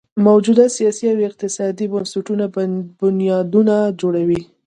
موجوده سیاسي او اقتصادي بنسټونه بنیادونه جوړوي.